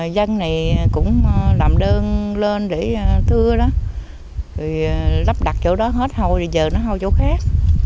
dân này cũng làm đơn lên để thưa đó rồi lắp đặt chỗ đó hết hôi thì giờ nó hôi chỗ khác